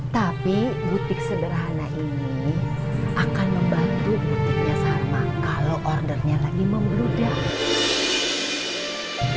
tapi butik sederhana ini akan membantu butiknya salma kalau ordernya lagi membeludar